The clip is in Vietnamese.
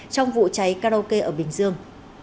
trong vụ cháy karaoke ở bình dương